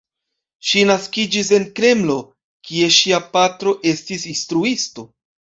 Ŝi naskiĝis en Kremlo, kie ŝia patro estis instruisto.